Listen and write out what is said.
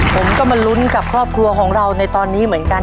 ผมก็มาลุ้นกับครอบครัวของเราในตอนนี้เหมือนกัน